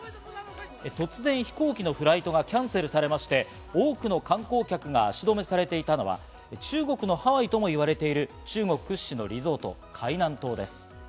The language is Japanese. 突然、飛行機のフライトがキャンセルされまして、多くの観光客が足止めされていたのは中国のハワイとも言われている中国屈指のリゾート・海南島です。